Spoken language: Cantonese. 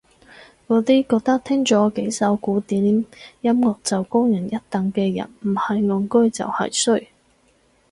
嗰啲覺得聽咗幾首古典音樂就高人一等嘅人唔係戇居就係衰